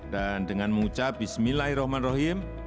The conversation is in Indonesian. dan dengan mengucap bismillahirrahmanirrahim